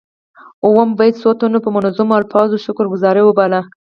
اووم بیت څو تنو په منظومو الفاظو شکر ګذاري وباله.